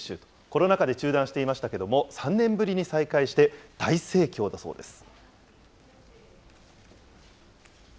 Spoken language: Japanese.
コロナ禍で中断していましたけども、３年ぶりに再開して、大盛況だそうです。